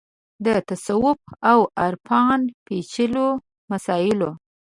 د تصوف او عرفان پېچلو مسایلو